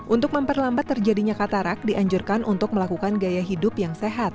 untuk memperlambat terjadinya katarak dianjurkan untuk melakukan gaya hidup yang sehat